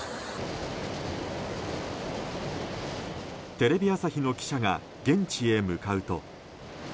テレビ朝日の記者が現地へ向かうと。